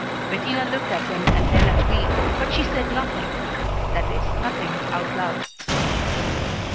Bettina looked at them and then at me, but she said nothing that is, nothing out loud.